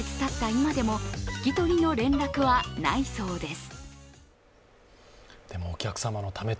今でも引き取りの連絡はないそうです。